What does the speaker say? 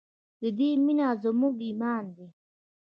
د دې مینه زموږ ایمان دی